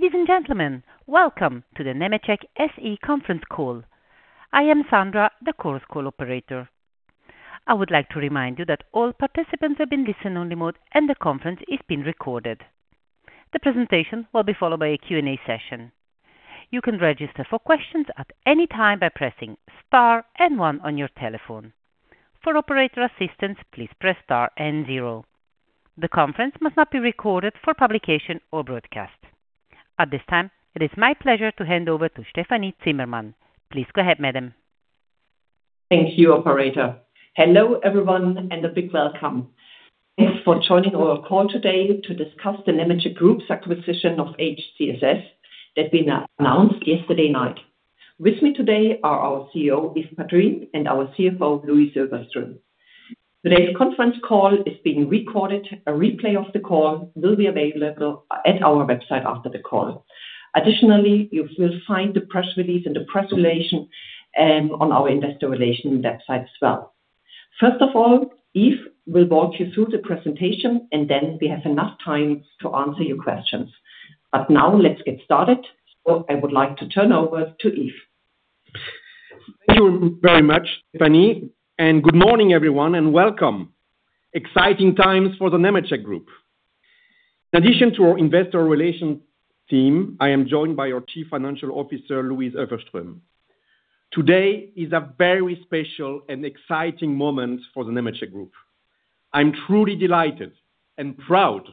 Ladies and gentlemen, welcome to the Nemetschek SE conference call. I am Sandra, the Conference Call Operator. I would like to remind you that all participants are in listen-only mode and the conference is being recorded. The presentation will be followed by a Q&A session. You can register for questions at any time by pressing star and one on your telephone. For operator assistance, please press star and zero. The conference must not be recorded for publication or broadcast. At this time, it is my pleasure to hand over to Stefanie Zimmermann. Please go ahead, madam. Thank you, operator. Hello, everyone, and a big welcome. Thanks for joining our call today to discuss the Nemetschek Group's acquisition of HCSS that we announced yesterday night. With me today are our CEO, Yves Padrines, and our CFO, Louise Öfverström. Today's conference call is being recorded. A replay of the call will be available at our website after the call. Additionally, you will find the press release in the Press Relations and on our Investor Relations website as well. First of all, Yves will walk you through the presentation, and then we have enough time to answer your questions. Now let's get started. I would like to turn over to Yves. Thank you very much, Stefanie. Good morning, everyone, and welcome. Exciting times for the Nemetschek Group. In addition to our Investor Relations team, I am joined by our Chief Financial Officer, Louise Öfverström. Today is a very special and exciting moment for the Nemetschek Group. I'm truly delighted and proud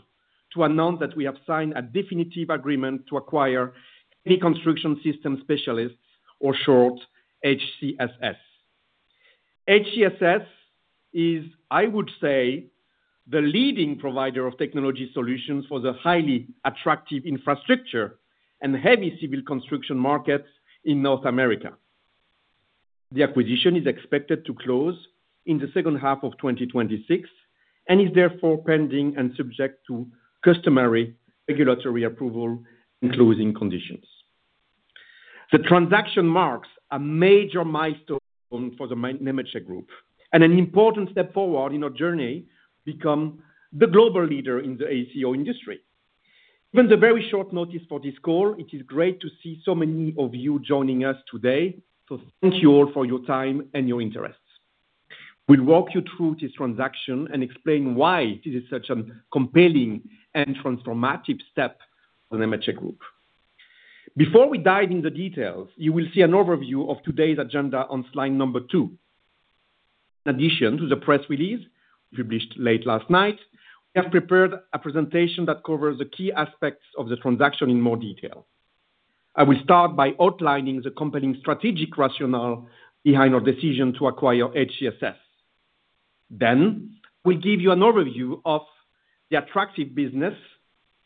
to announce that we have signed a definitive agreement to acquire Heavy Construction Systems Specialists, or short, HCSS. HCSS is, I would say, the leading provider of technology solutions for the highly attractive infrastructure and heavy civil construction markets in North America. The acquisition is expected to close in the second half of 2026 and is therefore pending and subject to customary regulatory approval and closing conditions. The transaction marks a major milestone for the Nemetschek Group and an important step forward in our journey to become the global leader in the AECO industry. Given the very short notice for this call, it is great to see so many of you joining us today. Thank you all for your time and your interest. We'll walk you through this transaction and explain why it is such a compelling and transformative step for Nemetschek Group. Before we dive into the details, you will see an overview of today's agenda on slide number two. In addition to the press release we published late last night, we have prepared a presentation that covers the key aspects of the transaction in more detail. I will start by outlining the company's strategic rationale behind our decision to acquire HCSS. We give you an overview of the attractive business,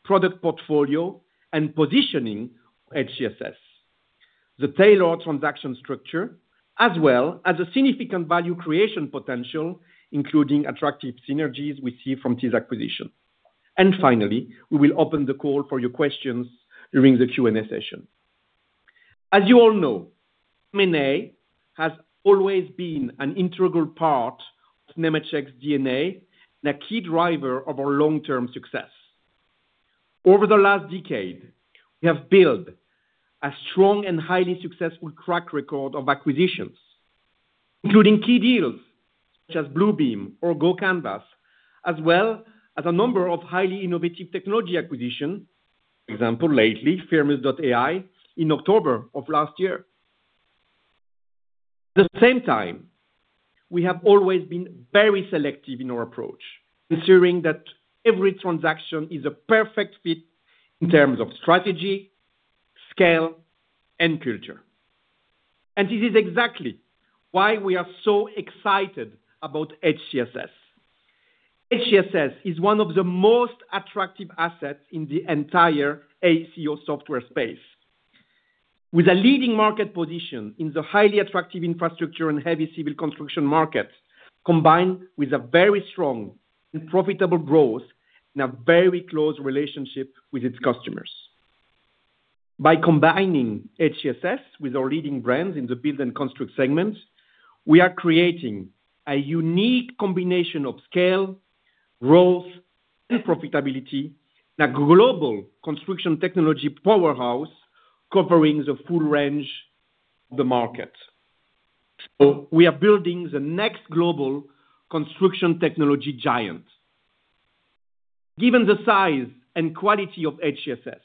product portfolio, and positioning of HCSS, the tailored transaction structure, as well as the significant value creation potential, including attractive synergies we see from this acquisition. Finally, we will open the call for your questions during the Q&A session. As you all know, M&A has always been an integral part of Nemetschek's DNA and a key driver of our long-term success. Over the last decade, we have built a strong and highly successful track record of acquisitions, including key deals such as Bluebeam or GoCanvas, as well as a number of highly innovative technology acquisitions. For example, lately, Firmus.ai in October of last year. At the same time, we have always been very selective in our approach, ensuring that every transaction is a perfect fit in terms of strategy, scale, and culture. This is exactly why we are so excited about HCSS. HCSS is one of the most attractive assets in the entire AECO software space. With a leading market position in the highly attractive infrastructure and heavy civil construction markets, combined with a very strong and profitable growth and a very close relationship with its customers, by combining HCSS with our leading brands in the Build and Construct segments, we are creating a unique combination of scale, growth, and profitability, the global construction technology powerhouse covering the full range of the market. We are building the next global construction technology giant. Given the size and quality of HCSS,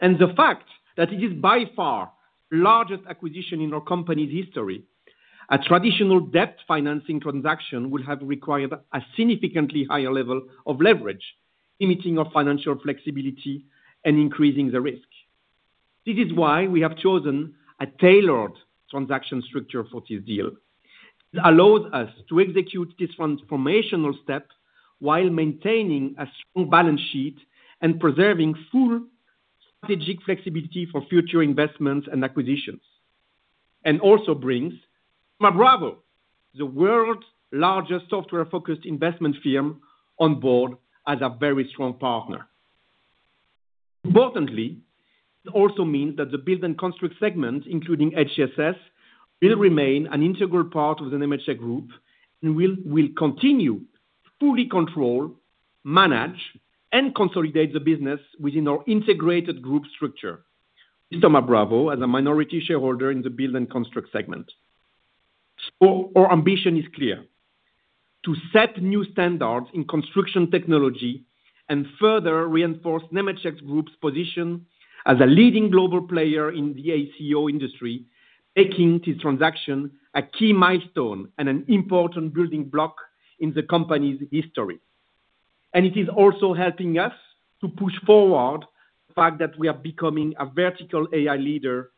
and the fact that it is by far the largest acquisition in our company's history, a traditional debt financing transaction would have required a significantly higher level of leverage, limiting our financial flexibility and increasing the risk. This is why we have chosen a tailored transaction structure for this deal. It allows us to execute this transformational step while maintaining a strong balance sheet and preserving full strategic flexibility for future investments and acquisitions, and also brings Thoma Bravo, the world's largest software-focused investment firm, on board as a very strong partner. Importantly, it also means that the Build & Construct segment, including HCSS, will remain an integral part of the Nemetschek Group and will continue to fully control, manage, and consolidate the business within our integrated group structure, with Thoma Bravo as a minority shareholder in the Build & Construct segment. Our ambition is clear. To set new standards in construction technology and further reinforce Nemetschek Group's position as a leading global player in the AECO industry, making this transaction a key milestone and an important building block in the company's history. And it is also helping us to push forward the fact that we are becoming a vertical AI leader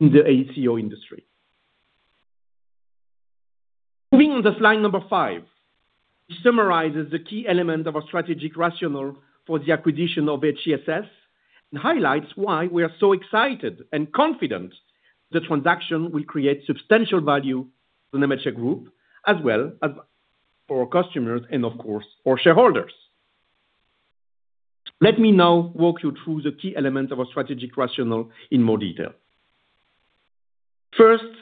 in the AECO industry. Moving on to slide number five, this summarizes the key element of our strategic rationale for the acquisition of HCSS, and highlights why we are so excited and confident the transaction will create substantial value for Nemetschek Group, as well as our customers and, of course, our shareholders. Let me now walk you through the key element of our strategic rationale in more detail. First,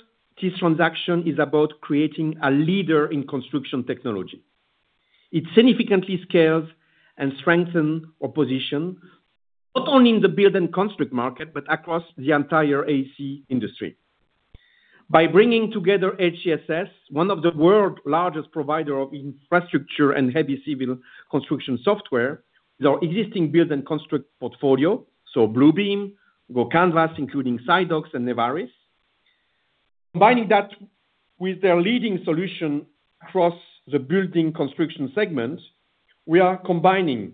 this transaction is about creating a leader in construction technology. It significantly scales and strengthens our position, not only in the build and construct market, but across the entire AC industry. By bringing together HCSS, one of the world's largest provider of infrastructure and heavy civil construction software, with our existing build and construct portfolio, so Bluebeam, GoCanvas, including SiteDocs and NEVARIS. Combining that with their leading solution across the building construction segment, we are combining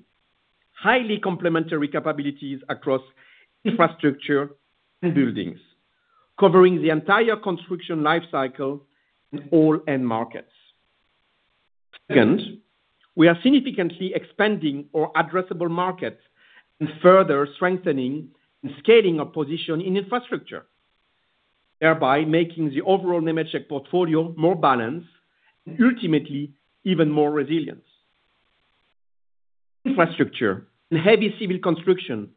highly complementary capabilities across infrastructure and buildings, covering the entire construction life cycle in all end markets. Second, we are significantly expanding our addressable market and further strengthening and scaling our position in infrastructure, thereby making the overall Nemetschek portfolio more balanced and ultimately, even more resilient. Infrastructure and heavy civil construction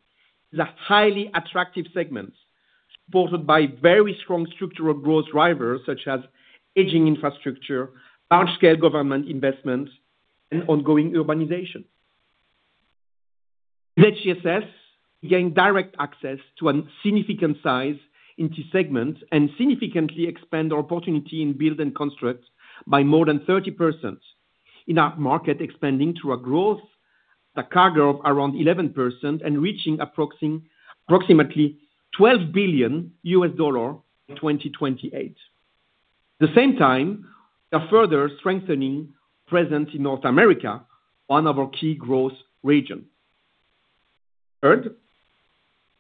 is a highly attractive segment, supported by very strong structural growth drivers such as aging infrastructure, large-scale government investment, and ongoing urbanization. With HCSS, we gain direct access to a significant size in this segment and significantly expand our opportunity in build and construct by more than 30% in a market expanding through a growth CAGR of around 11% and reaching approximately $12 billion in 2028. At the same time, we are further strengthening presence in North America, one of our key growth regions. Third,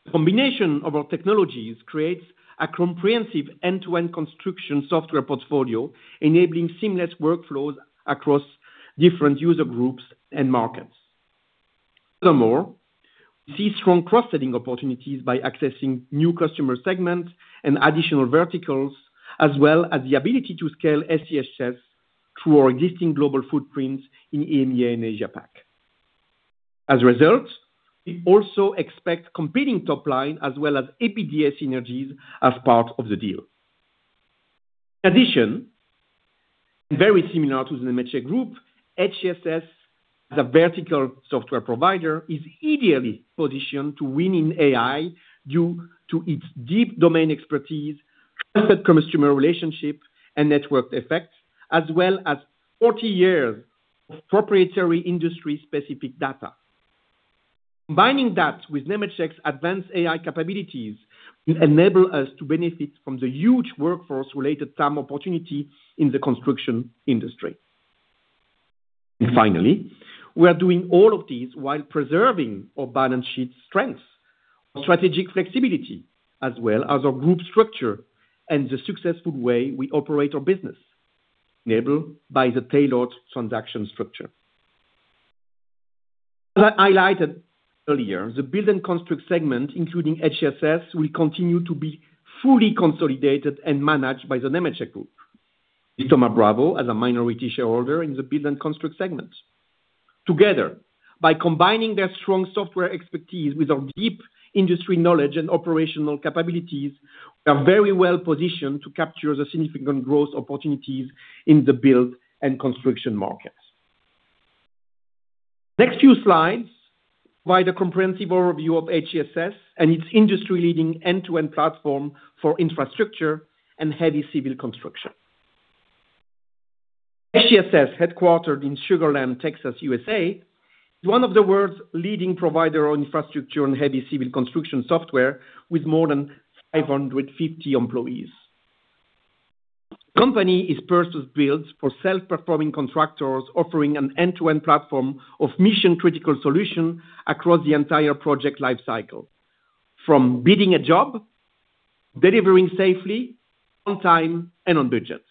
the combination of our technologies creates a comprehensive end-to-end construction software portfolio, enabling seamless workflows across different user groups and markets. Furthermore, we see strong cross-selling opportunities by accessing new customer segments and additional verticals, as well as the ability to scale HCSS through our existing global footprints in EMEA and Asia-Pac. As a result, we also expect compelling top-line as well as cost synergies as part of the deal. In addition, very similar to the Nemetschek Group, HCSS, as a vertical software provider, is ideally positioned to win in AI due to its deep domain expertise, trusted customer relationship, and network effects, as well as 40 years of proprietary industry-specific data. Combining that with Nemetschek's advanced AI capabilities will enable us to benefit from the huge workforce-related TAM opportunity in the construction industry. Finally, we are doing all of this while preserving our balance sheet strength, our strategic flexibility, as well as our group structure and the successful way we operate our business, enabled by the tailored transaction structure. As I highlighted earlier, the Build and Construct segment, including HCSS, will continue to be fully consolidated and managed by the Nemetschek Group. With Thoma Bravo as a minority shareholder in the Build and Construct segment. Together, by combining their strong software expertise with our deep industry knowledge and operational capabilities, we are very well positioned to capture the significant growth opportunities in the build and construction markets. The next few slides provide a comprehensive overview of HCSS and its industry-leading end-to-end platform for infrastructure and heavy civil construction. HCSS, headquartered in Sugar Land, Texas, USA, is one of the world's leading provider of infrastructure and heavy civil construction software with more than 550 employees. The company is purpose-built for self-performing contractors offering an end-to-end platform of mission-critical solutions across the entire project life cycle, from bidding a job to delivering safely, on time, and on budget.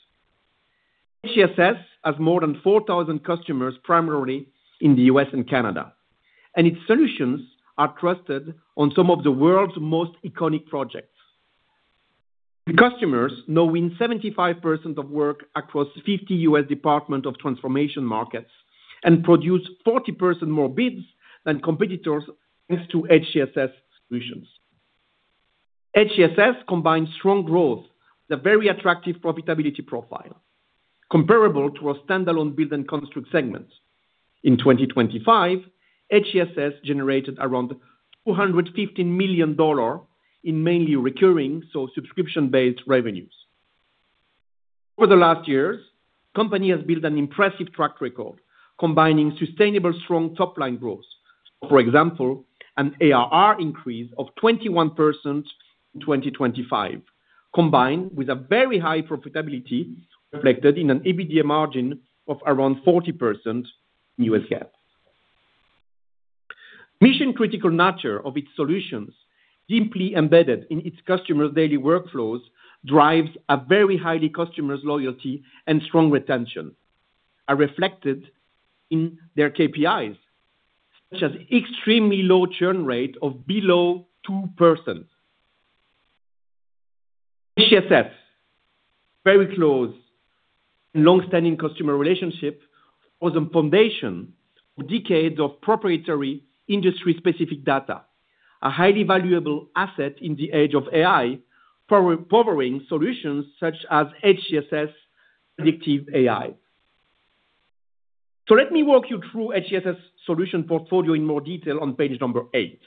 HCSS has more than 4,000 customers, primarily in the U.S. and Canada, and its solutions are trusted on some of the world's most iconic projects. The customers now win 75% of work across 50 U.S. Department of Transportation markets and produce 40% more bids than competitors, thanks to HCSS solutions. HCSS combines strong growth with a very attractive profitability profile, comparable to a standalone Build & Construct segment. In 2025, HCSS generated around $215 million in mainly recurring, so subscription-based, revenues. Over the last years, the company has built an impressive track record combining sustainable, strong top-line growth. For example, an ARR increase of 21% in 2025, combined with very high profitability, reflected in an EBITDA margin of around 40% in U.S. GAAP. Mission-critical nature of its solutions, deeply embedded in its customers' daily workflows, drives a very high customer loyalty and strong retention, are reflected in their KPIs, such as extremely low churn rate of below 2%. HCSS, very close longstanding customer relationship was a foundation for decades of proprietary industry-specific data, a highly valuable asset in the age of AI for powering solutions such as HCSS predictive AI. Let me walk you through HCSS solution portfolio in more detail on page number eight.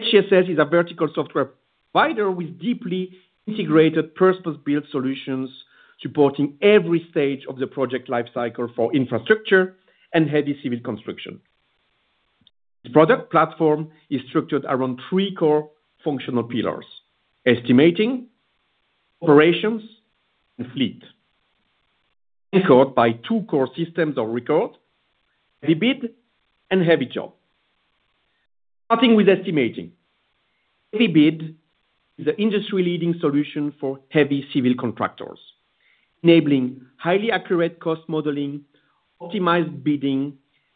HCSS is a vertical software provider with deeply integrated purpose-built solutions supporting every stage of the project life cycle for infrastructure and heavy civil construction. Its product platform is structured around three core functional pillars, estimating, operations, and fleet, anchored by two core systems of record, HeavyBid and HeavyJob. Starting with estimating, HeavyBid is an industry-leading solution for heavy civil contractors, enabling highly accurate cost modeling, optimized bidding,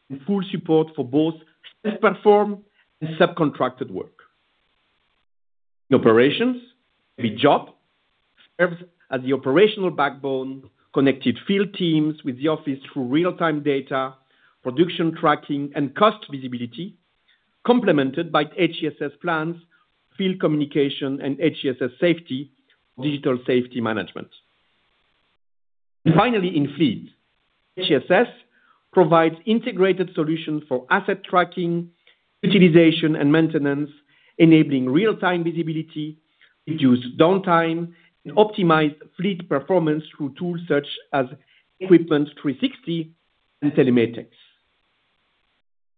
and full support for both self-performed and subcontracted work. In operations, HeavyJob serves as the operational backbone, connecting field teams with the office through real-time data, production tracking, and cost visibility, complemented by HCSS Plans, field communication, and HCSS Safety, digital safety management. Finally, in fleet, HCSS provides integrated solutions for asset tracking, utilization, and maintenance, enabling real-time visibility, reduced downtime, and optimized fleet performance through tools such as Equipment360 and Telematics.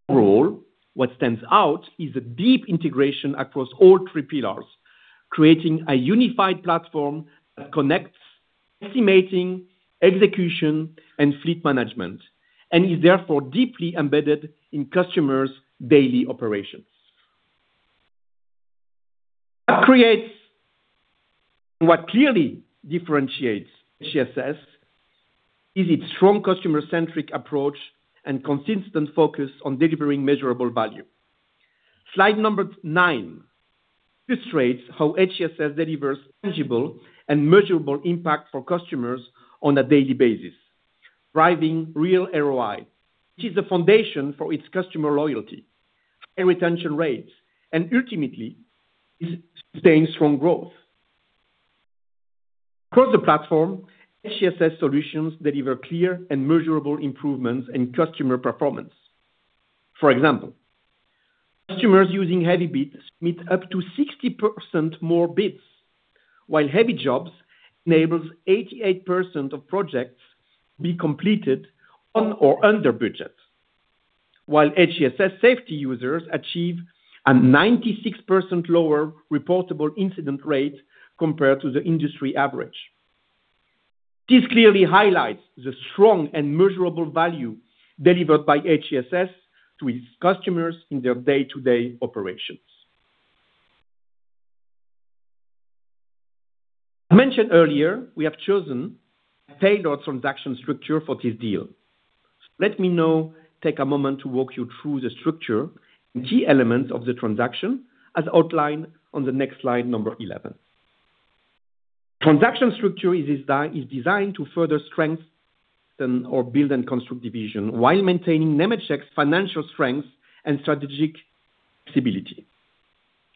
Overall, what stands out is the deep integration across all three pillars, creating a unified platform that connects estimating, execution, and fleet management, and is therefore deeply embedded in customers' daily operations. What creates and what clearly differentiates HCSS is its strong customer-centric approach and consistent focus on delivering measurable value. Slide number 9 illustrates how HCSS delivers tangible and measurable impact for customers on a daily basis, driving real ROI, which is the foundation for its customer loyalty and retention rates, and ultimately, it sustains strong growth. Across the platform, HCSS solutions deliver clear and measurable improvements in customer performance. For example, customers using HeavyBid submit up to 60% more bids, while HeavyJob enables 88% of projects to be completed on or under budget, while HCSS Safety users achieve a 96% lower reportable incident rate compared to the industry average. This clearly highlights the strong and measurable value delivered by HCSS to its customers in their day-to-day operations. I mentioned earlier, we have chosen an all-cash transaction structure for this deal. Let me now take a moment to walk you through the structure and key elements of the transaction, as outlined on the next slide, number 11. Transaction structure is designed to further strengthen our Build and Construct division while maintaining Nemetschek's financial strength and strategic flexibility.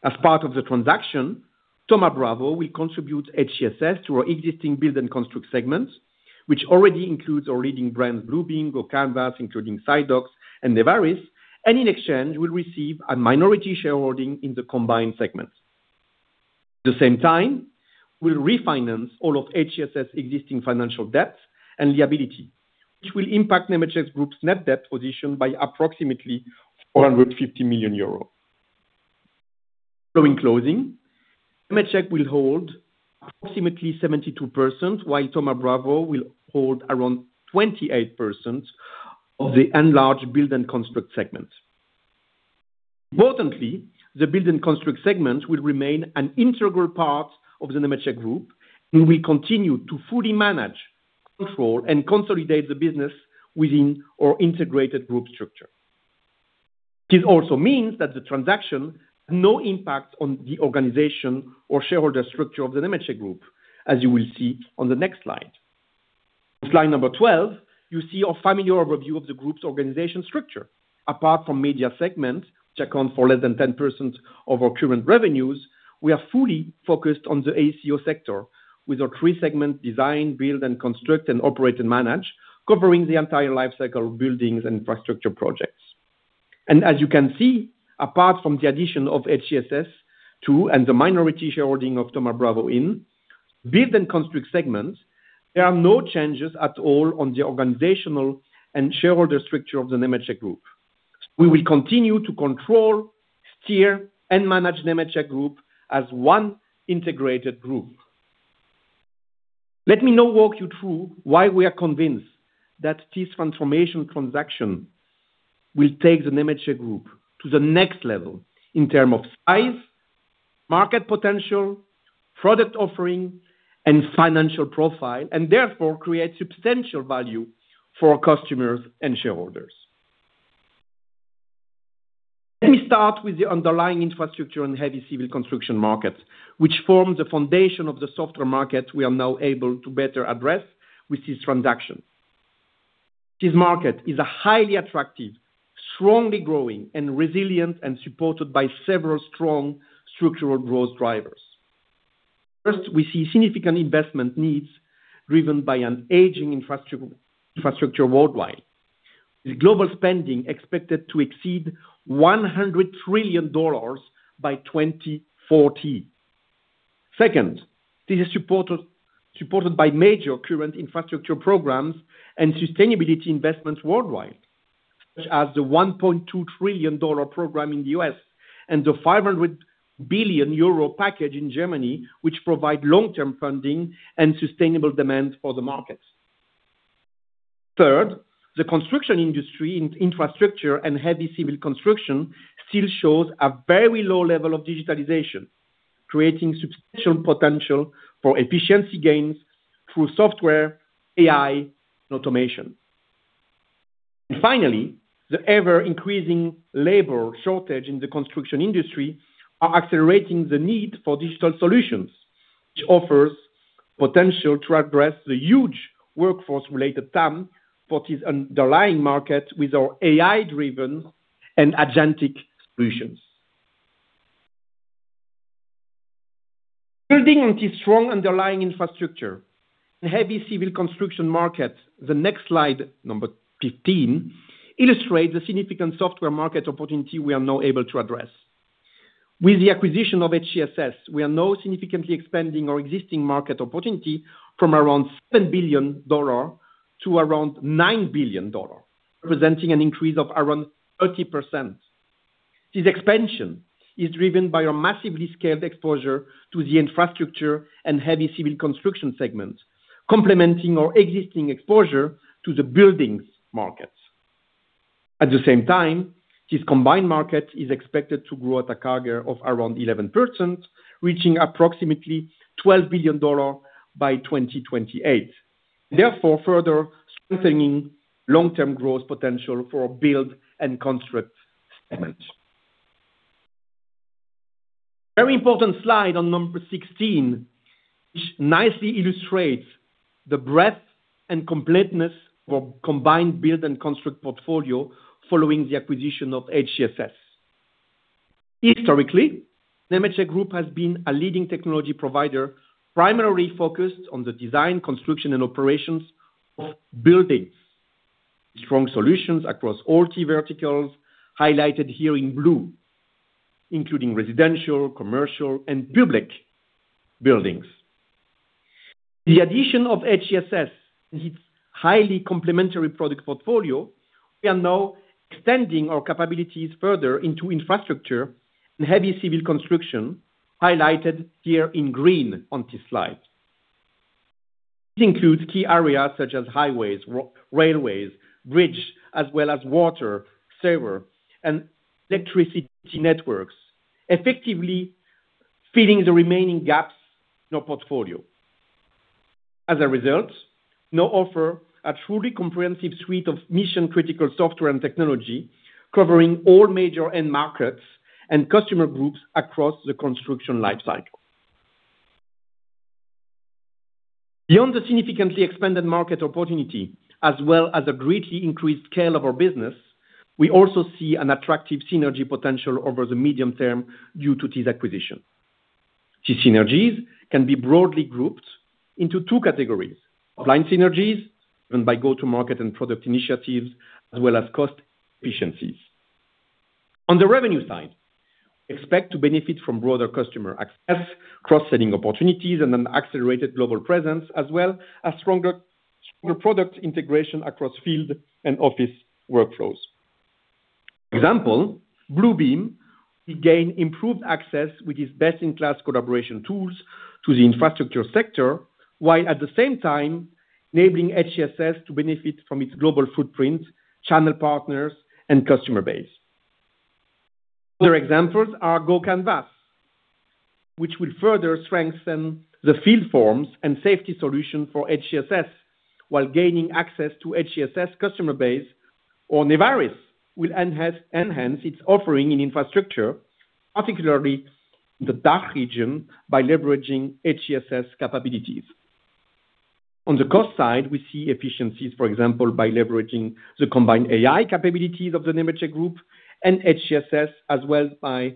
As part of the transaction, Thoma Bravo will contribute HCSS to our existing Build and Construct segment, which already includes our leading brands Bluebeam, GoCanvas, including SiteDocs and NEVARIS, and, in exchange, will receive a minority shareholding in the combined segment. At the same time, we'll refinance all of HCSS' existing financial debt and liability, which will impact Nemetschek Group's net debt position by approximately 450 million euros. Following closing, Nemetschek will hold approximately 72%, while Thoma Bravo will hold around 28% of the enlarged Build and Construct segment. Importantly, the Build and Construct segment will remain an integral part of the Nemetschek Group, and we continue to fully manage, control, and consolidate the business within our integrated group structure. This also means that the transaction has no impact on the organization or shareholder structure of the Nemetschek Group, as you will see on the next slide. With slide number 12, you see a familiar overview of the group's organizational structure. Apart from Media segment, which account for less than 10% of our current revenues, we are fully focused on the AECO sector with our three segments, Design, Build and Construct, and Operate and Manage, covering the entire life cycle of buildings and infrastructure projects. As you can see, apart from the addition of HCSS to and the minority shareholding of Thoma Bravo in Build and Construct segments, there are no changes at all on the organizational and shareholder structure of the Nemetschek Group. We will continue to control, steer, and manage Nemetschek Group as one integrated group. Let me now walk you through why we are convinced that this transformation transaction will take the Nemetschek Group to the next level in terms of size, market potential, product offering, and financial profile, and therefore creates substantial value for our customers and shareholders. Let me start with the underlying infrastructure and heavy civil construction market, which form the foundation of the software market we are now able to better address with this transaction. This market is a highly attractive, strongly growing, and resilient, and supported by several strong structural growth drivers. First, we see significant investment needs driven by an aging infrastructure worldwide, with global spending expected to exceed $100 trillion by 2040. Second, this is supported by major current infrastructure programs and sustainability investments worldwide, such as the $1.2 trillion program in the U.S. and the 500 billion euro package in Germany, which provide long-term funding and sustainable demand for the market. Third, the construction industry in infrastructure and heavy civil construction still shows a very low level of digitalization, creating substantial potential for efficiency gains through software, AI, and automation. Finally, the ever-increasing labor shortage in the construction industry are accelerating the need for digital solutions, which offers potential to address the huge workforce-related TAM for this underlying market with our AI-driven and agentic solutions. Building on this strong underlying infrastructure, the heavy civil construction market, the next slide, number 15, illustrates the significant software market opportunity we are now able to address. With the acquisition of HCSS, we are now significantly expanding our existing market opportunity from around $7 billion to around $9 billion, representing an increase of around 30%. This expansion is driven by a massively scaled exposure to the infrastructure and heavy civil construction segment, complementing our existing exposure to the buildings market. At the same time, this combined market is expected to grow at a CAGR of around 11%, reaching approximately $12 billion by 2028, therefore further strengthening long-term growth potential for our Build and Construct segment. Very important slide on number 16, which nicely illustrates the breadth and completeness of our combined Build and Construct portfolio following the acquisition of HCSS. Historically, Nemetschek Group has been a leading technology provider, primarily focused on the design, construction, and operations of buildings. Strong solutions across all key verticals, highlighted here in blue, including residential, commercial, and public buildings. The addition of HCSS and its highly complementary product portfolio, we are now extending our capabilities further into infrastructure and heavy civil construction, highlighted here in green on this slide. This includes key areas such as highways, railways, bridges, as well as water, sewer, and electricity networks, effectively filling the remaining gaps in our portfolio. As a result, we now offer a truly comprehensive suite of mission-critical software and technology covering all major end markets and customer groups across the construction life cycle. Beyond the significantly expanded market opportunity, as well as a greatly increased scale of our business, we also see an attractive synergy potential over the medium term due to this acquisition. These synergies can be broadly grouped into two categories, line synergies, driven by go-to-market and product initiatives, as well as cost efficiencies. On the revenue side, we expect to benefit from broader customer access, cross-selling opportunities, and an accelerated global presence, as well as stronger product integration across field and office workflows. For example, Bluebeam will gain improved access with its best-in-class collaboration tools to the infrastructure sector, while at the same time enabling HCSS to benefit from its global footprint, channel partners, and customer base. Other examples are GoCanvas, which will further strengthen the field forms and safety solution for HCSS while gaining access to HCSS customer base. NEVARIS will enhance its offering in infrastructure, particularly in the DACH region, by leveraging HCSS capabilities. On the cost side, we see efficiencies, for example, by leveraging the combined AI capabilities of the Nemetschek Group and HCSS, as well as by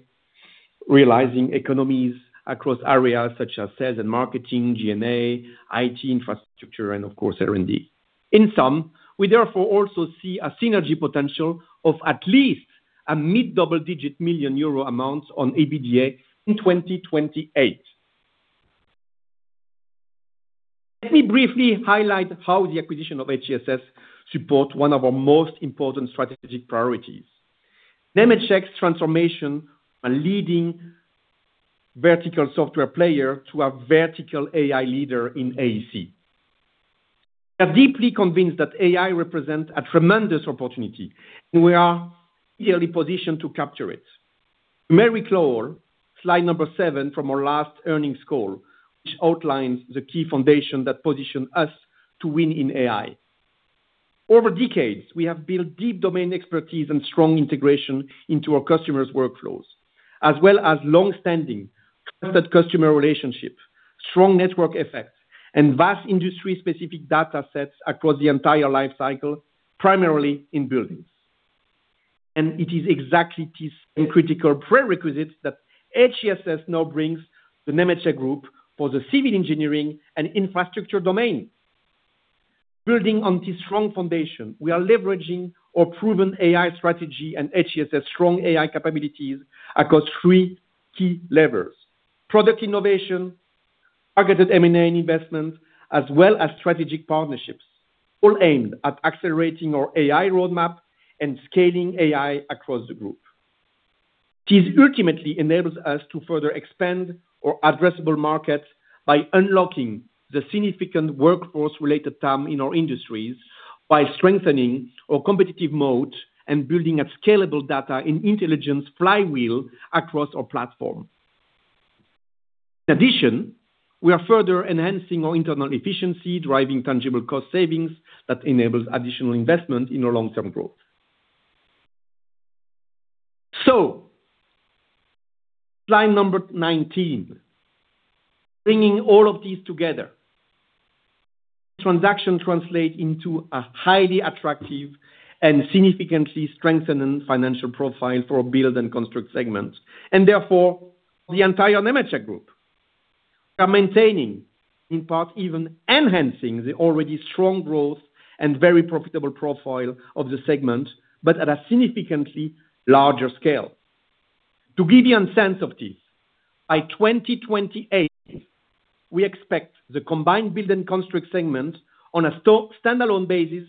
realizing economies across areas such as sales and marketing, G&A, IT infrastructure, and of course, R&D. In sum, we therefore also see a synergy potential of at least a EUR mid-double-digit million amount on EBITDA in 2028. Let me briefly highlight how the acquisition of HCSS supports one of our most important strategic priorities. Nemetschek's transformation is a leading vertical software player to a vertical AI leader in AEC. We are deeply convinced that AI represents a tremendous opportunity, and we are ideally positioned to capture it. Remember slide number seven from our last earnings call, which outlines the key foundation that positions us to win in AI. Over decades, we have built deep domain expertise and strong integration into our customers' workflows, as well as long-standing trusted customer relationships, strong network effects, and vast industry-specific data sets across the entire life cycle, primarily in buildings. It is exactly this and critical prerequisites that HCSS now brings the Nemetschek Group for the civil engineering and infrastructure domain. Building on this strong foundation, we are leveraging our proven AI strategy and HCSS strong AI capabilities across three key levers, product innovation, targeted M&A investment, as well as strategic partnerships, all aimed at accelerating our AI roadmap and scaling AI across the group. This ultimately enables us to further expand our addressable market by unlocking the significant workforce-related TAM in our industries by strengthening our competitive moat and building a scalable data and intelligence flywheel across our platform. In addition, we are further enhancing our internal efficiency, driving tangible cost savings that enables additional investment in our long-term growth. Slide number 19, bringing all of this together. Transaction translates into a highly attractive and significantly strengthening financial profile for our Build and Construct segment, and therefore the entire Nemetschek Group. We are maintaining, in part even enhancing, the already strong growth and very profitable profile of the segment, but at a significantly larger scale. To give you a sense of this, by 2028, we expect the combined Build and Construct segment on a standalone basis,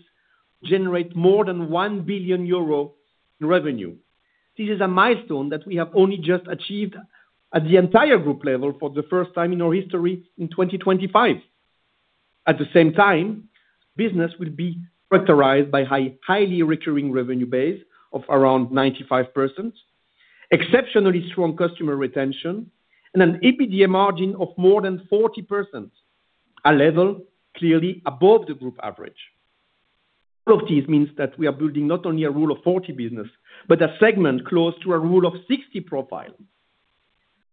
to generate more than 1 billion euro in revenue. This is a milestone that we have only just achieved at the entire group level for the first time in our history in 2025. At the same time, business will be characterized by a highly recurring revenue base of around 95%, exceptionally strong customer retention, and an EBITDA margin of more than 40%, a level clearly above the Group average. All of this means that we are building not only a Rule of 40 business, but a segment close to a Rule of 60 profile,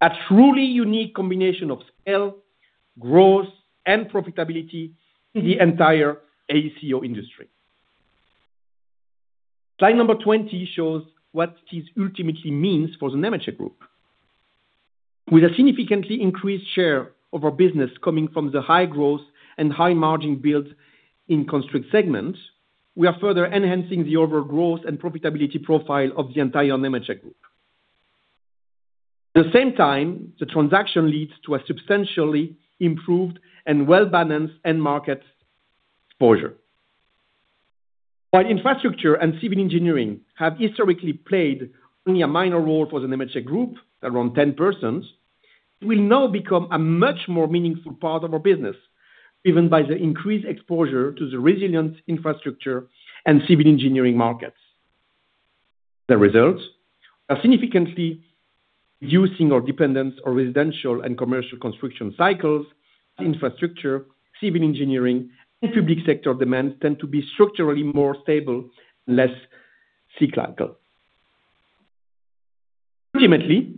a truly unique combination of scale, growth, and profitability in the entire AECO industry. Slide number 20 shows what this ultimately means for the Nemetschek Group. With a significantly increased share of our business coming from the high-growth and high-margin Build and Construct segments, we are further enhancing the overall growth and profitability profile of the entire Nemetschek Group. At the same time, the transaction leads to a substantially improved and well-balanced end market exposure. While infrastructure and civil engineering have historically played only a minor role for the Nemetschek Group, around 10%, it will now become a much more meaningful part of our business, driven by the increased exposure to the resilient infrastructure and civil engineering markets. The results are significantly reducing our dependence on residential and commercial construction cycles as infrastructure, civil engineering, and public sector demands tend to be structurally more stable and less cyclical. Ultimately,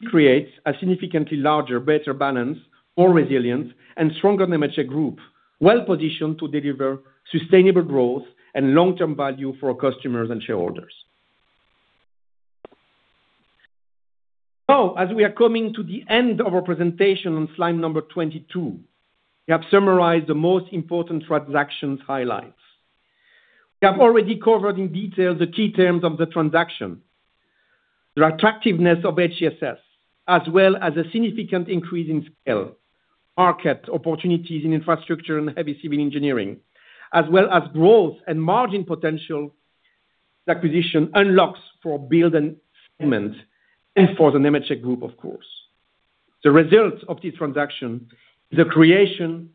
this creates a significantly larger, better balanced, more resilient, and stronger Nemetschek Group, well-positioned to deliver sustainable growth and long-term value for our customers and shareholders. Now, as we are coming to the end of our presentation on slide number 22, we have summarized the most important transaction highlights. We have already covered in detail the key terms of the transaction, the attractiveness of HCSS, as well as a significant increase in scale, market opportunities in infrastructure and heavy civil engineering, as well as growth and margin potential the acquisition unlocks for the Build segment and for the Nemetschek Group, of course. The results of this transaction, the creation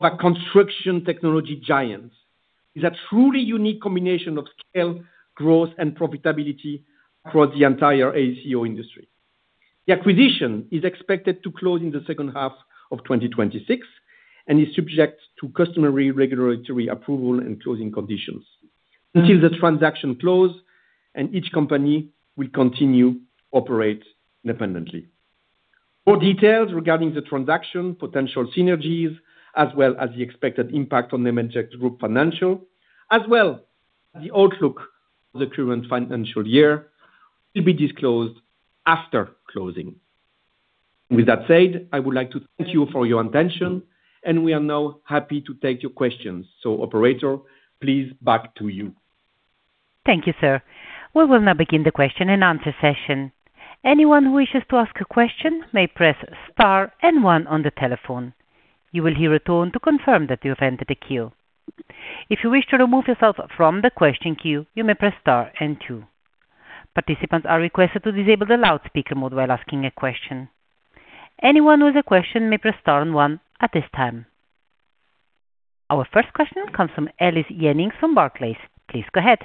of a construction technology giant, is a truly unique combination of scale, growth, and profitability across the entire AECO industry. The acquisition is expected to close in the second half of 2026 and is subject to customary regulatory approval and closing conditions. Until the transaction close, each company will continue to operate independently. More details regarding the transaction, potential synergies, as well as the expected impact on Nemetschek Group financials, as well as the outlook of the current financial year, will be disclosed after closing. With that said, I would like to thank you for your attention, and we are now happy to take your questions. Operator, please back to you. Thank you, sir. We will now begin the question and answer session. Anyone who wishes to ask a question may press star and one on the telephone. You will hear a tone to confirm that you have entered the queue. If you wish to remove yourself from the question queue, you may press star and two. Participants are requested to disable the loudspeaker mode while asking a question. Anyone with a question may press star and one at this time. Our first question comes from Alice Jennings from Barclays. Please go ahead.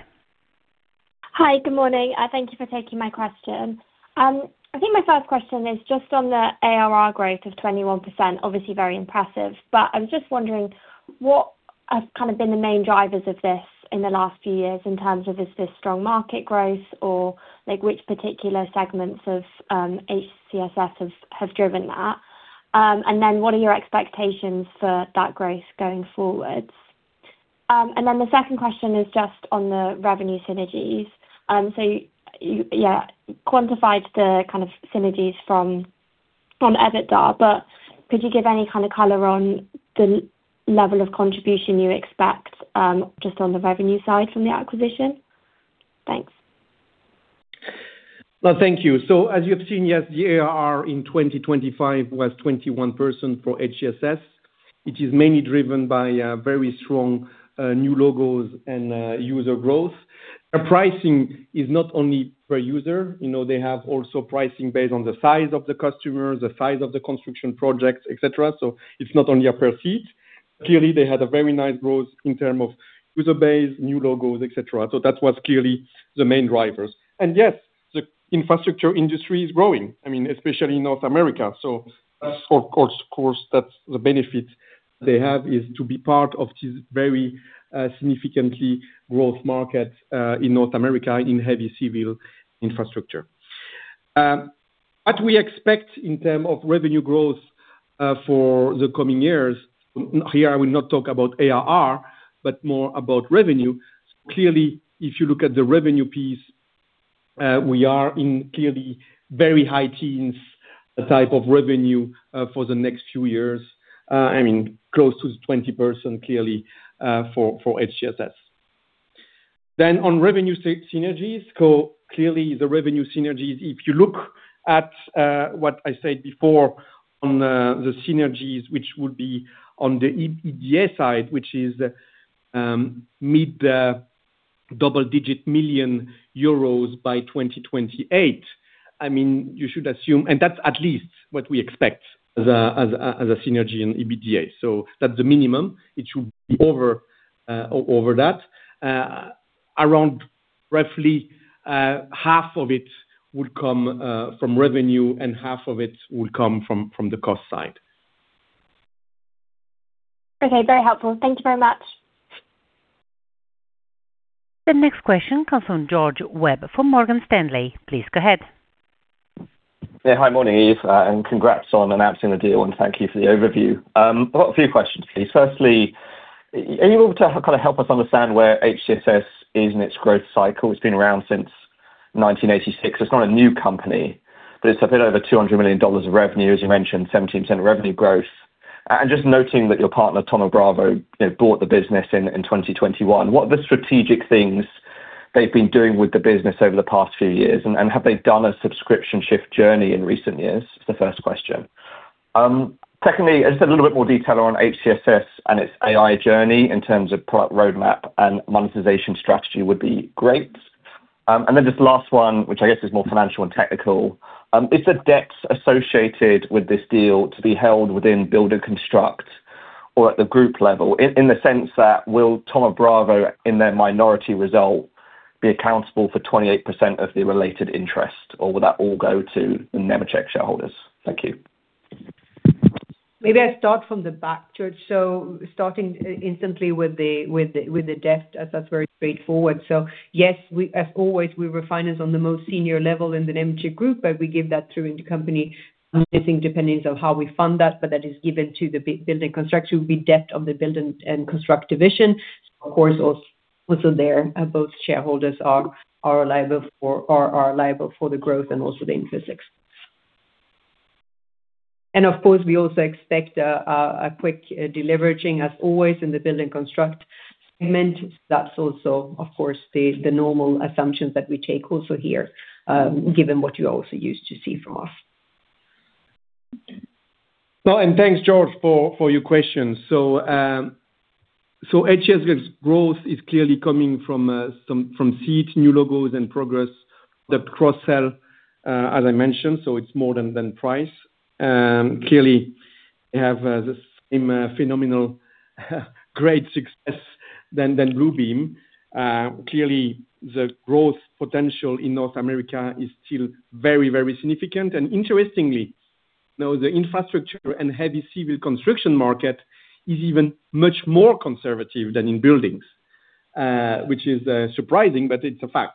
Hi. Good morning. Thank you for taking my question. I think my first question is just on the ARR growth of 21%, obviously very impressive, but I was just wondering what have been the main drivers of this in the last few years in terms of, is this strong market growth or which particular segments of HCSS have driven that? What are your expectations for that growth going forwards? The second question is just on the revenue synergies. You quantified the kind of synergies from EBITDA, but could you give any kind of color on the level of contribution you expect, just on the revenue side from the acquisition? Thanks. Well, thank you. As you have seen, yes, the ARR in 2025 was 21% for HCSS. It is mainly driven by very strong new logos and user growth. Their pricing is not only per user, they have also pricing based on the size of the customer, the size of the construction projects, et cetera. It's not only a per seat. Clearly, they had a very nice growth in term of user base, new logos, et cetera. That was clearly the main drivers. Yes, the infrastructure industry is growing, especially in North America. Of course that's the benefit they have is to be part of this very significantly growth market, in North America in heavy civil infrastructure. What we expect in term of revenue growth for the coming years. Here I will not talk about ARR, but more about revenue. Clearly, if you look at the revenue piece, we are in clearly very high-teens type of revenue for the next few years. I mean, close to 20% clearly, for HCSS. On revenue synergies, clearly the revenue synergies, if you look at what I said before on the synergies, which would be on the EBITDA side, which is mid-double-digit million euros by 2028. You should assume, and that's at least what we expect as a synergy in EBITDA. That's the minimum. It should be over that. Around roughly half of it would come from revenue and half of it will come from the cost side. Okay, very helpful. Thank you very much. The next question comes from George Webb from Morgan Stanley. Please go ahead. Yeah. Hi, morning Yves, and congrats on announcing the deal, and thank you for the overview. I've got a few questions, please. Firstly, are you able to help us understand where HCSS is in its growth cycle? It's been around since 1986. It's not a new company, but it's a bit over $200 million of revenue, as you mentioned, 17% revenue growth. Just noting that your partner, Thoma Bravo, bought the business in 2021. What are the strategic things they've been doing with the business over the past few years? Have they done a subscription shift journey in recent years? That is the first question. Secondly, just a little bit more detail on HCSS and its AI journey in terms of product roadmap and monetization strategy would be great. Just the last one, which I guess is more financial and technical, is the debts associated with this deal to be held within Build and Construct or at the group level? In the sense that will Thoma Bravo, in their minority result, be accountable for 28% of the related interest, or will that all go to the Nemetschek shareholders? Thank you. Maybe I start from the back, George. Starting instantly with the debt, as that's very straightforward. Yes, as always, we refinance on the most senior level in the Nemetschek Group, but we give that through intercompany, I think depending on how we fund that, but that is given to the Build and Construct. It would be debt of the Build and Construct division. Of course, also there, both shareholders are liable for the growth and also the interest expense. Of course, we also expect a quick deleveraging as always in the Build and Construct segment. That's also, of course, the normal assumptions that we take also here, given what you also used to see from us. No, thanks George, for your questions. HCSS growth is clearly coming from seats, new logos, and progress that cross-sell, as I mentioned. It's more than price. Clearly, we have the same phenomenal great success than Bluebeam. Clearly, the growth potential in North America is still very, very significant. Interestingly, now the infrastructure and heavy civil construction market is even much more conservative than in buildings, which is surprising, but it's a fact.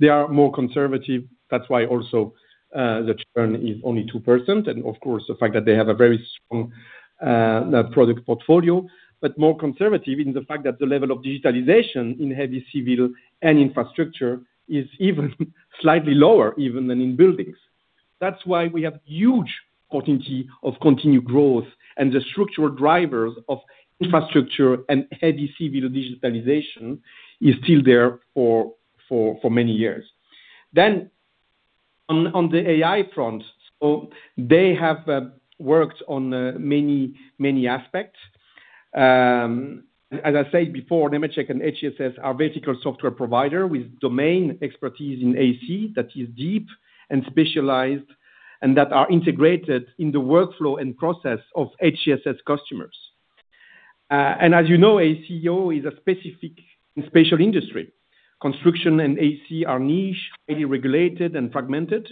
They are more conservative. That's why also the churn is only 2%, of course, the fact that they have a very strong product portfolio. More conservative in the fact that the level of digitalization in heavy civil and infrastructure is even slightly lower even than in buildings, that's why we have huge potential of continued growth and the structural drivers of infrastructure and heavy civil digitalization is still there for many years. On the AI front, they have worked on many aspects. As I said before, Nemetschek and HCSS are vertical software provider with domain expertise in AEC that is deep and specialized and that are integrated in the workflow and process of HCSS customers. As you know, AEC is a specific and special industry. Construction and AEC are niche, highly regulated, and fragmented.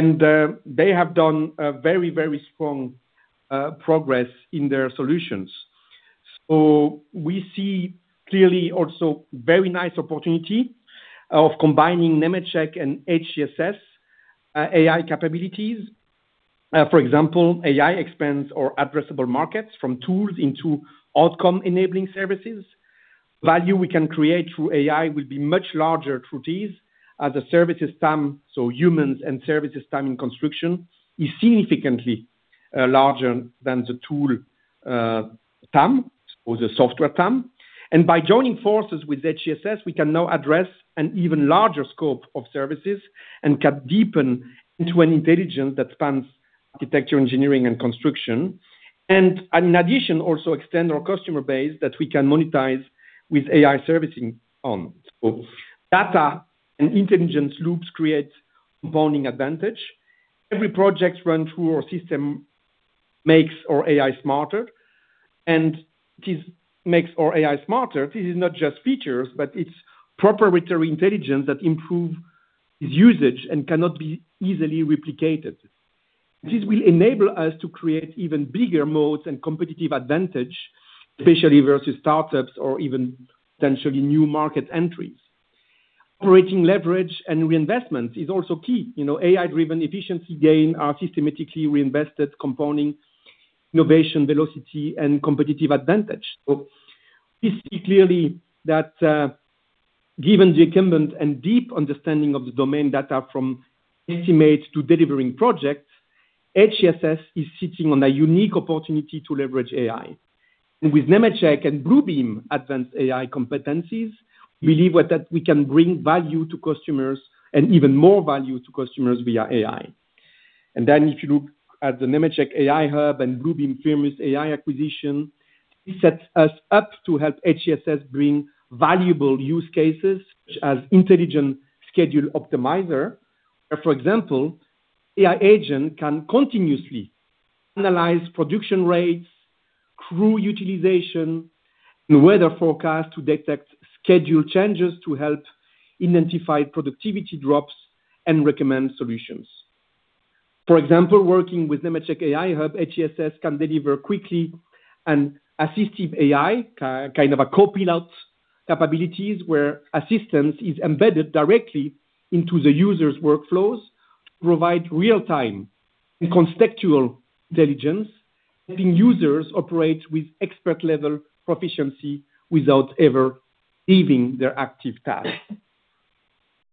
They have done a very strong progress in their solutions. We see clearly also very nice opportunity of combining Nemetschek and HCSS AI capabilities. For example, AI expands our addressable markets from tools into outcome-enabling services. Value we can create through AI will be much larger through these as a services TAM. Humans and services TAM in construction is significantly larger than the tool TAM or the software TAM. By joining forces with HCSS, we can now address an even larger scope of services and can deepen into an intelligence that spans architecture, engineering, and construction. In addition, also extend our customer base that we can monetize with AI services. Data and intelligence loops create compounding advantage. Every project run through our system makes our AI smarter. This is not just features, but it's proprietary intelligence that improves its usage and cannot be easily replicated. This will enable us to create even bigger moats and competitive advantage, especially versus startups or even potentially new market entries. Operating leverage and reinvestment is also key. AI-driven efficiency gains are systematically reinvested, compounding innovation, velocity, and competitive advantage. We see clearly that given the incumbent and deep understanding of the domain data from estimate to delivering projects, HCSS is sitting on a unique opportunity to leverage AI. With Nemetschek and Bluebeam advanced AI competencies, we believe that we can bring value to customers and even more value to customers via AI. If you look at the Nemetschek AI Hub and Bluebeam Firmus AI acquisition, this sets us up to help HCSS bring valuable use cases such as intelligent schedule optimizer. For example, AI agent can continuously analyze production rates, crew utilization, and weather forecast to detect schedule changes to help identify productivity drops and recommend solutions. For example, working with Nemetschek AI Hub, HCSS can deliver quickly an assistive AI, kind of a copilot capabilities, where assistance is embedded directly into the user's workflows to provide real-time and contextual intelligence, helping users operate with expert-level proficiency without ever leaving their active task.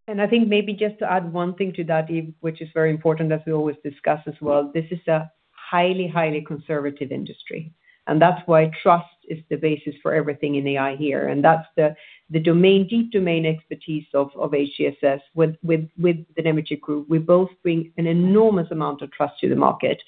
I think maybe just to add one thing to that, Yves, which is very important as we always discuss as well, this is a highly conservative industry, and that's why trust is the basis for everything in AI here, and that's the deep domain expertise of HCSS with the Nemetschek Group. We both bring an enormous amount of trust to the market.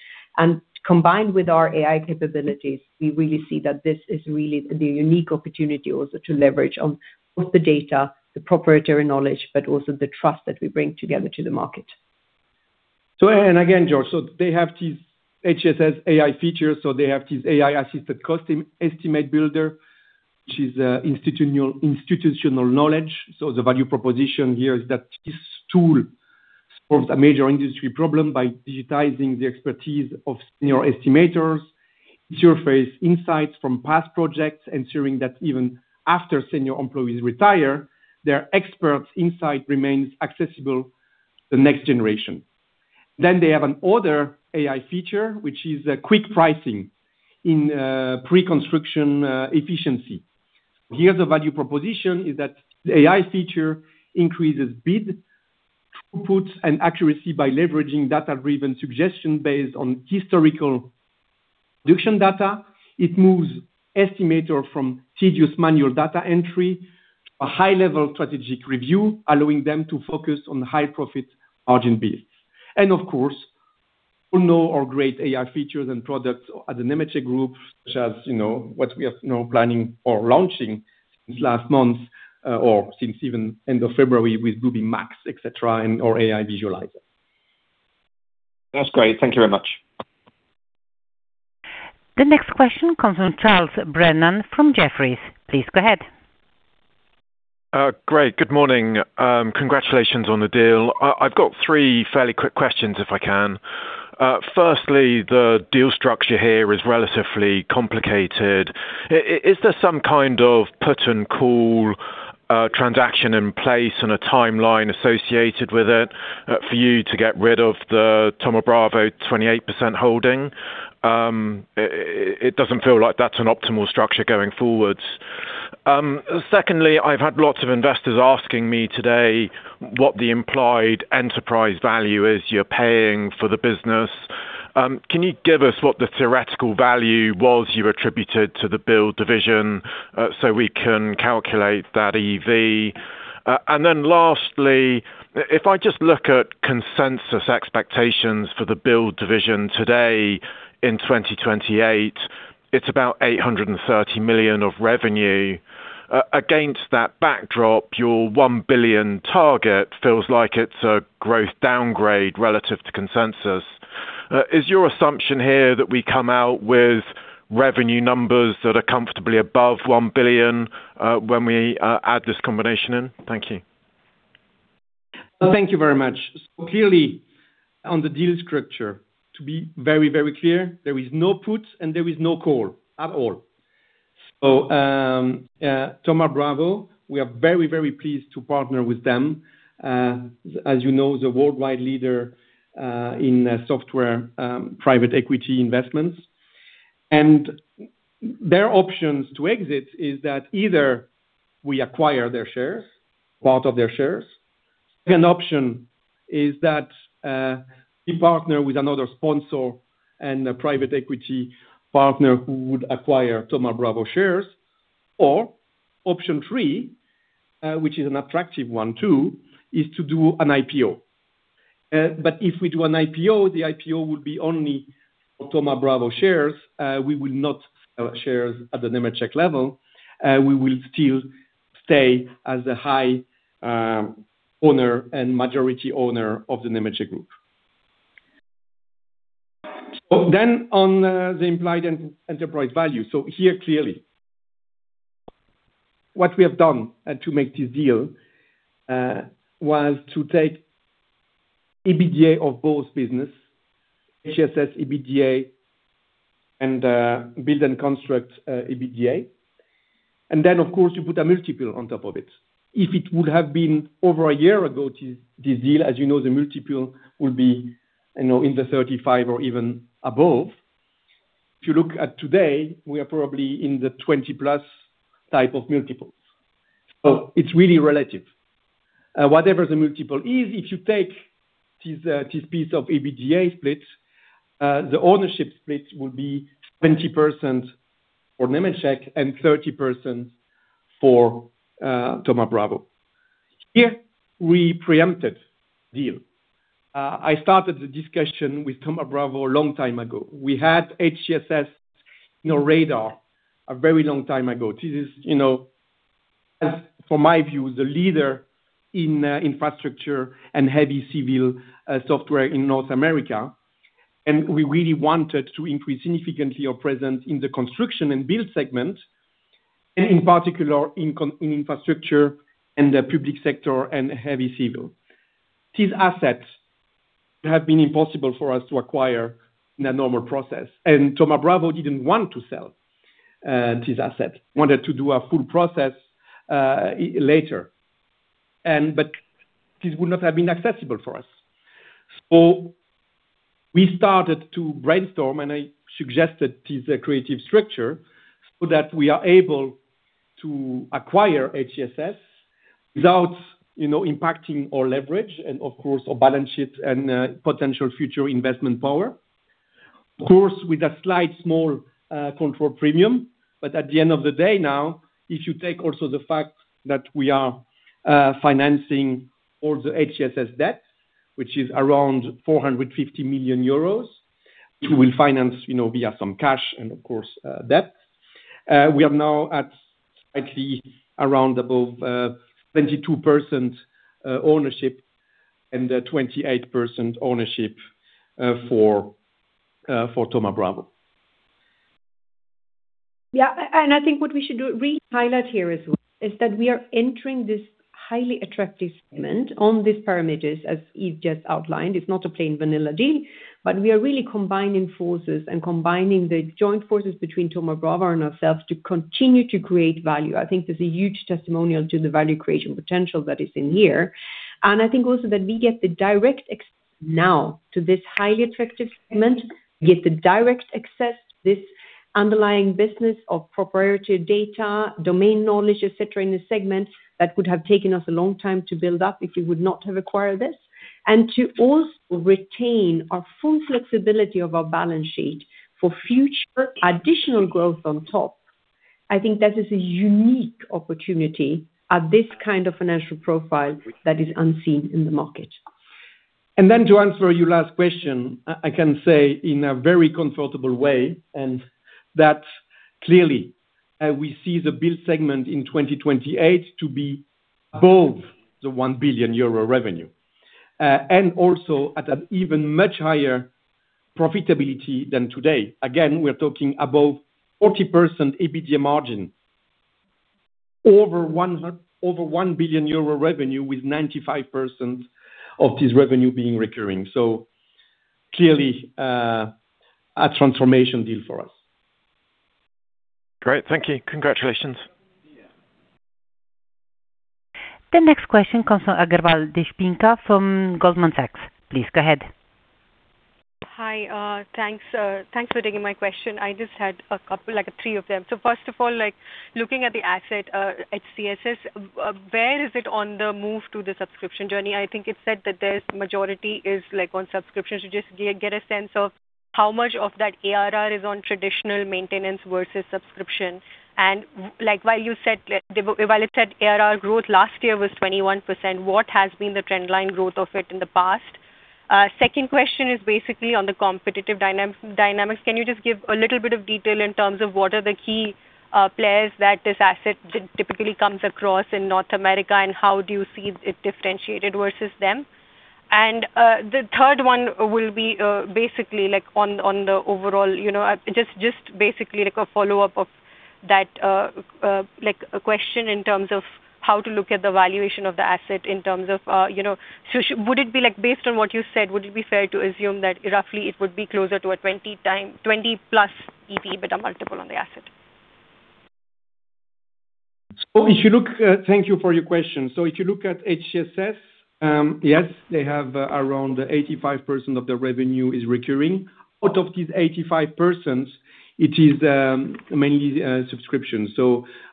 Combined with our AI capabilities, we really see that this is really the unique opportunity also to leverage on both the data, the proprietary knowledge, but also the trust that we bring together to the market. Again, George, they have these HCSS AI features. They have this AI-assisted custom estimate builder, which is institutional knowledge. The value proposition here is that this tool solves a major industry problem by digitizing the expertise of senior estimators, surfaces insights from past projects, ensuring that even after senior employees retire, their expert insight remains accessible to the next generation. They have another AI feature, which is quick pricing in preconstruction efficiency. Here, the value proposition is that the AI feature increases bid throughput and accuracy by leveraging data-driven suggestions based on historical production data. It moves estimators from tedious manual data entry to high-level strategic review, allowing them to focus on high profit margin bids. Of course, you know our great AI features and products at the Nemetschek Group, such as what we are now planning for launching since last month, or since even end of February with Bluebeam Max, et cetera, and our AI Visualizer. That's great. Thank you very much. The next question comes from Charles Brennan from Jefferies. Please go ahead. Great. Good morning. Congratulations on the deal. I've got three fairly quick questions, if I can. Firstly, the deal structure here is relatively complicated. Is there some kind of put and call transaction in place and a timeline associated with it for you to get rid of the Thoma Bravo 28% holding? It doesn't feel like that's an optimal structure going forwards. Secondly, I've had lots of investors asking me today what the implied enterprise value is you're paying for the business. Can you give us what the theoretical value was you attributed to the Build division so we can calculate that EV? Lastly, if I just look at consensus expectations for the Build division today in 2028, it's about 830 million of revenue. Against that backdrop, your 1 billion target feels like it's a growth downgrade relative to consensus. Is your assumption here that we come out with revenue numbers that are comfortably above 1 billion, when we add this combination in? Thank you. Thank you very much. Clearly on the deal structure, to be very, very clear, there is no put and there is no call at all. Thoma Bravo, we are very, very pleased to partner with them, as you know, the worldwide leader in software private equity investments. Their options to exit is that either we acquire their shares, part of their shares. Second option is that we partner with another sponsor and a private equity partner who would acquire Thoma Bravo shares. Option three, which is an attractive one, too, is to do an IPO. If we do an IPO, the IPO would be only for Thoma Bravo shares. We will not sell shares at the Nemetschek level. We will still stay as the high owner and majority owner of the Nemetschek Group. On the implied enterprise value. Clearly what we have done to make this deal, was to take EBITDA of both business, HCSS EBITDA, and build and construct EBITDA, and then of course, you put a multiple on top of it. If it would have been over a year ago, this deal, as you know, the multiple will be in the 35 or even above. If you look at today, we are probably in the 20+ type of multiples. It's really relative. Whatever the multiple is, if you take this piece of EBITDA split, the ownership split will be 20% for Nemetschek and 30% for Thoma Bravo. Here we preempted deal. I started the discussion with Thoma Bravo a long time ago. We had HCSS in our radar a very long time ago. This is, from my view, the leader in infrastructure and heavy civil software in North America, and we really wanted to increase significantly our presence in the construction and Build segment, and in particular, in infrastructure and the public sector and heavy civil. These assets have been impossible for us to acquire in a normal process. Thoma Bravo didn't want to sell these assets, wanted to do a full process later. This would not have been accessible for us. We started to brainstorm and I suggested this creative structure so that we are able to acquire HCSS without impacting our leverage and, of course, our balance sheet and potential future investment power, of course, with a slight small control premium. At the end of the day now, if you take also the fact that we are financing all the HCSS debt, which is around 450 million euros, we will finance via some cash and, of course, debt. We are now at slightly around above 22% ownership and 28% ownership for Thoma Bravo. Yeah, I think what we should re-highlight here as well is that we are entering this highly attractive segment on these parameters as Yves just outlined. It's not a plain vanilla deal, but we are really combining forces and combining the joint forces between Thoma Bravo and ourselves to continue to create value. I think there's a huge testimonial to the value creation potential that is in here. I think also that we get the direct access now to this highly attractive segment. We get the direct access to this underlying business of proprietary data, domain knowledge, et cetera, in the segment that would have taken us a long time to build up if we would not have acquired this, and to also retain our full flexibility of our balance sheet for future additional growth on top. I think that is a unique opportunity at this kind of financial profile that is unseen in the market. To answer your last question, I can say in a very comfortable way, clearly, we see the Build segment in 2028 to be above the 1 billion euro revenue, also at an even much higher profitability than today. Again, we're talking above 40% EBITDA margin over 1 billion euro revenue with 95% of this revenue being recurring. Clearly, a transformation deal for us. Great. Thank you. Congratulations. The next question comes from Deepshikha Agarwal from Goldman Sachs. Please go ahead. Hi, thanks for taking my question. I just had three of them. First of all, looking at the asset, HCSS, where is it on the move to the subscription journey? I think it said that majority is on subscription. Just get a sense of how much of that ARR is on traditional maintenance versus subscription. While it said ARR growth last year was 21%, what has been the trend line growth of it in the past? Second question is basically on the competitive dynamics. Can you just give a little bit of detail in terms of what are the key players that this asset typically comes across in North America, and how do you see it differentiated versus them? The third one will be basically on the overall, just basically a follow-up of that, a question in terms of how to look at the valuation of the asset in terms of. Based on what you said, would it be fair to assume that roughly it would be closer to a 20 times 20+ EBITDA multiple on the asset? Thank you for your question. If you look at HCSS, yes, they have around 85% of their revenue is recurring. Out of this 85%, it is mainly subscription.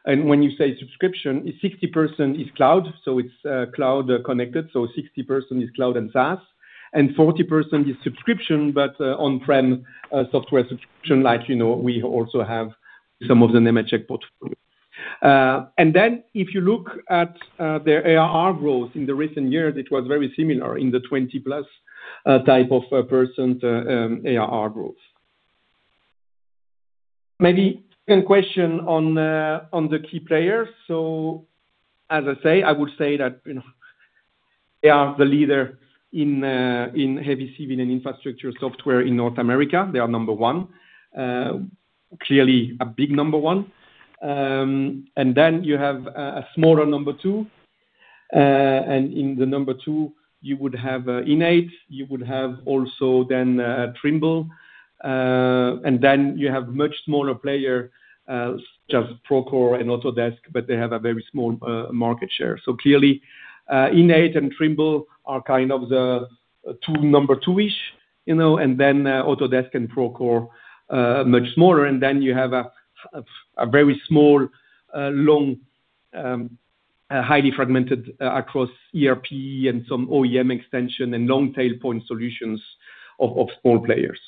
When you say subscription, 60% is cloud, so it's cloud connected, so 60% is cloud and SaaS, and 40% is subscription but on-prem software subscription, like we also have some of the Nemetschek portfolio. If you look at their ARR growth in the recent years, it was very similar in the 20%+ type of ARR growth. Maybe second question on the key players. As I say, I would say that they are the leader in heavy civil and infrastructure software in North America. They are number one, clearly a big number one. You have a smaller number two. In the number two, you would have InEight, you would have also then Trimble, and then you have much smaller player, just Procore and Autodesk, but they have a very small market share. Clearly, InEight and Trimble are kind of the two number two-ish. Autodesk and Procore, much smaller. You have a very small, long, highly fragmented across ERP and some OEM extension and long tail point solutions of small players.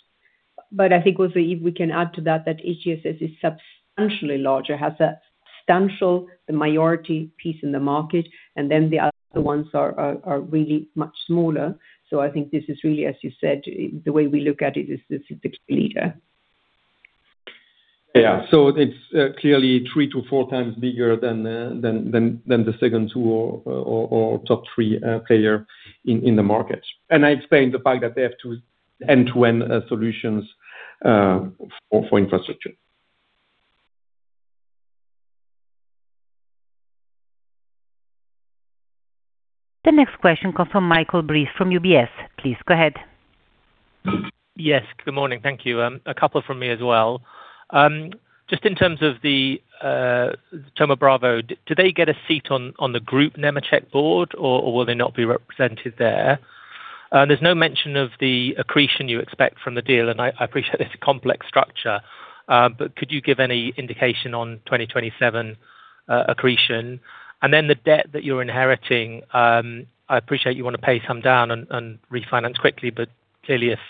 I think also if we can add to that HCSS is substantially larger, has the majority piece in the market, and then the other ones are really much smaller. I think this is really, as you said, the way we look at it is it's a leader. Yeah. It's clearly three to four times bigger than the second two or top three player in the market. I explained the fact that they have two end-to-end solutions for infrastructure. The next question comes from Michael Briest from UBS. Please go ahead. Yes. Good morning. Thank you. A couple from me as well. Just in terms of the Thoma Bravo, do they get a seat on the Group Nemetschek board or will they not be represented there? There's no mention of the accretion you expect from the deal, and I appreciate it's a complex structure. Could you give any indication on 2027 accretion? The debt that you're inheriting, I appreciate you want to pay some down and refinance quickly, but clearly it's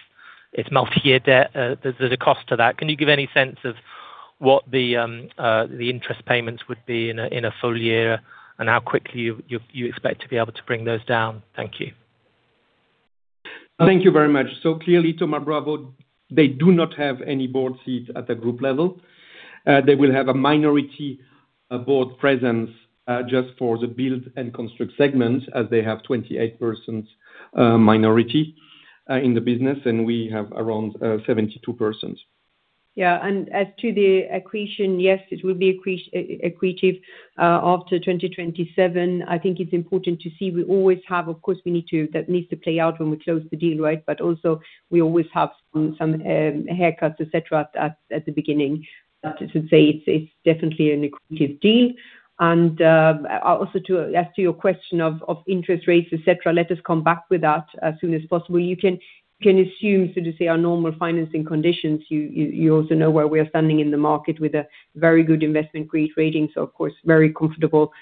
multi-year debt. There's a cost to that. Can you give any sense of what the interest payments would be in a full year, and how quickly you expect to be able to bring those down? Thank you. Thank you very much. Clearly, Thoma Bravo, they do not have any board seat at the Group level. They will have a minority board presence, just for the Build and Construct segment as they have 28% minority in the business, and we have around 72%. Yeah. As to the accretion, yes, it will be accretive after 2027. I think it's important to see, of course, that needs to play out when we close the deal, right? Also we always have some haircuts, et cetera, at the beginning, to say it's definitely an accretive deal. Also as to your question of interest rates, et cetera, let us come back with that as soon as possible. You can assume, so to say, our normal financing conditions. You also know where we're standing in the market with a very good investment grade rating. Of course, very comfortable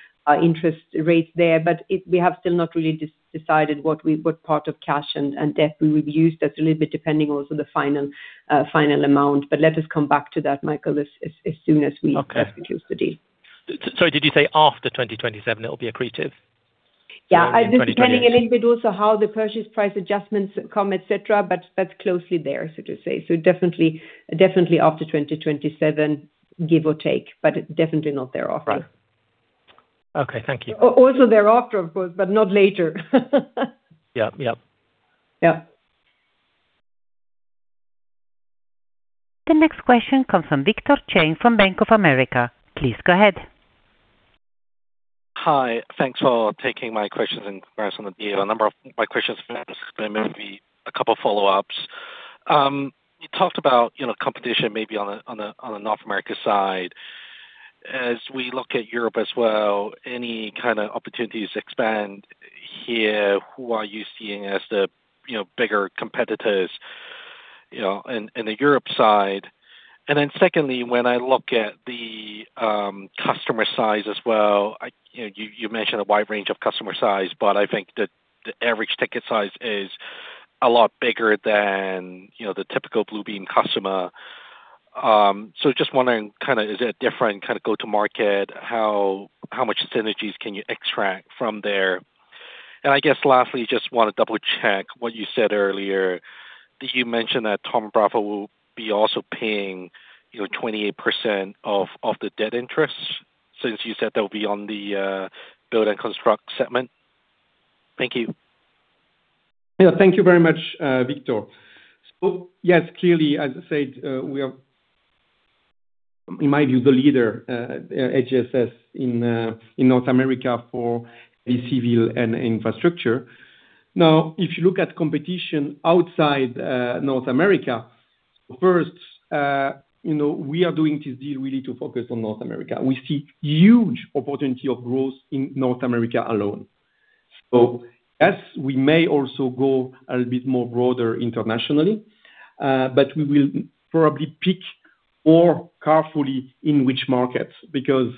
interest rates there. We have still not really decided what part of cash and debt we will use. That's a little bit depending also the final amount. Let us come back to that, Michael, as soon as we close the deal. Okay. Sorry, did you say after 2027 it'll be accretive? Yeah. Depending a little bit also how the purchase price adjustments come, et cetera, but that's closely there, so to say. Definitely after 2027, give or take, but definitely not thereafter. Right. Okay. Thank you. Also thereafter, of course, but not later. Yep. Yep. The next question comes from Victor Cheng from Bank of America. Please go ahead. Hi. Thanks for taking my questions in regards on the deal. A number of my questions have been asked, but maybe a couple of follow-ups. You talked about competition maybe on the North America side. As we look at Europe as well, any kind of opportunities to expand here? Who are you seeing as the bigger competitors in the Europe side? Secondly, when I look at the customer size as well, you mentioned a wide range of customer size, but I think that the average ticket size is a lot bigger than the typical Bluebeam customer. Just wondering kind of is it different kind of go-to-market? How much synergies can you extract from there? I guess lastly, just want to double-check what you said earlier. Did you mention that Thoma Bravo will be also paying 28% of the debt interest, since you said that will be on the Build and Construct segment? Thank you. Yeah. Thank you very much, Victor. Yes, clearly, as I said, we are, in my view, the leader, HCSS, in North America for the civil and infrastructure. Now, if you look at competition outside North America, first, we are doing this deal really to focus on North America. We see huge opportunity of growth in North America alone. Yes, we may also go a little bit more broader internationally, but we will probably pick more carefully in which markets. Because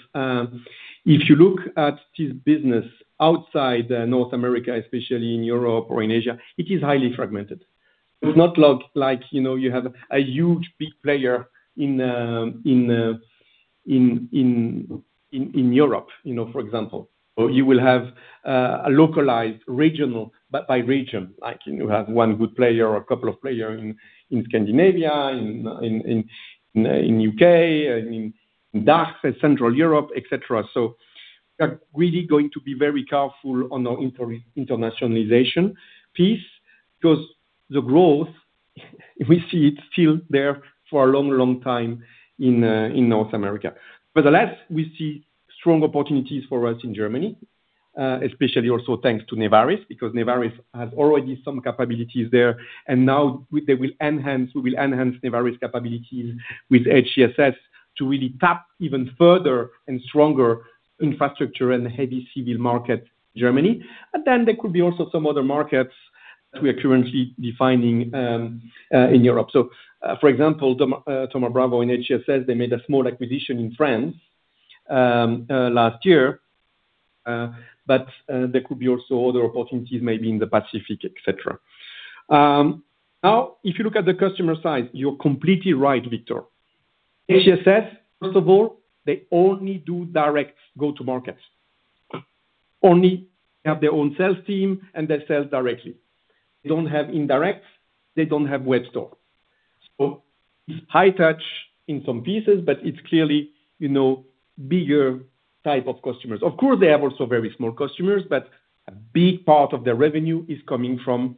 if you look at this business outside North America, especially in Europe or in Asia, it is highly fragmented. It's not like you have a huge big player in Europe, for example. You will have a localized regional, but by region. Like you have one good player or a couple of player in Scandinavia, in U.K., and in DACH, Central Europe, et cetera. We are really going to be very careful on our internationalization piece because the growth, we see it still there for a long time in North America. Nevertheless, we see strong opportunities for us in Germany, especially also thanks to NEVARIS, because NEVARIS has already some capabilities there, and now we will enhance NEVARIS capabilities with HCSS to really tap even further and stronger infrastructure and heavy civil market Germany. There could be also some other markets that we are currently defining in Europe. For example, Thoma Bravo and HCSS, they made a small acquisition in France last year. There could be also other opportunities maybe in the Pacific, et cetera. Now, if you look at the customer side, you're completely right, Victor. HCSS, first of all, they only do direct go-to-markets. They only have their own sales team, and they sell directly. They don't have indirect. They don't have web store. It's high touch in some pieces, but it's clearly bigger type of customers. Of course, they have also very small customers, but a big part of their revenue is coming from